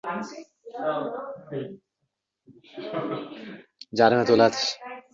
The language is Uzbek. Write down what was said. kim ko‘chadi?